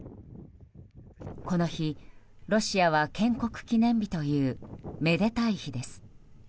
この日、ロシアは建国記念日というめでたい日です。